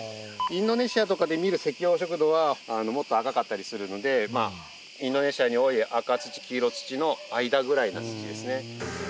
インドネシアとかで見る赤黄色土はあのもっと赤かったりするのでインドネシアに多い赤土黄色土の間ぐらいな土ですね